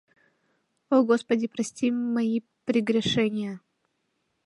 Ох, господи, прости мои прегрешения!